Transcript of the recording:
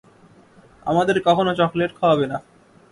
আমাদের কখনও চকলেট খাওয়াবে না।